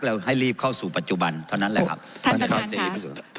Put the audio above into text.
แล้วให้รีบเข้าสู่ปัจจุบันเท่านั้นแหละครับท่านประธานค่ะ